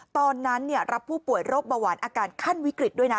ตอนนั้นเนี่ยรับผู้ป่วยโรคเบาหวานอาการขั้นวิกฤตด้วยนะ